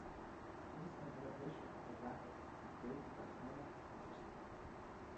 This is an adaptation of a graphic created by Clair Patterson.